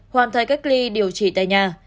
hoàn thành cách ly điều trị tại nhà